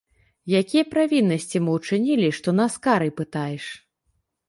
Якія правіннасці мы ўчынілі, што нас карай пытаеш?